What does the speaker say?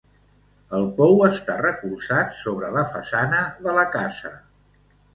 El pou està recolzat sobre la façana de la casa.